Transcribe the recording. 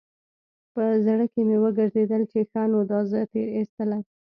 په زړه کښې مې وګرځېدل چې ښه نو دا زه تېر ايستلى.